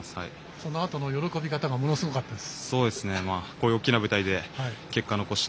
そのあとの喜び方がものすごかったです。